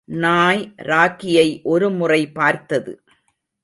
நாய் ராகியை ஒருமுறை பார்த்தது.